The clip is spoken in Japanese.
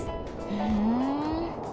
ふん。